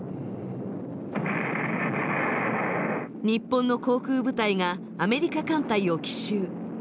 日本の航空部隊がアメリカ艦隊を奇襲。